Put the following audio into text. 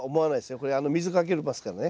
これ水かけますからね。